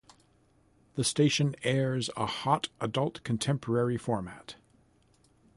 The station airs a hot adult contemporary format.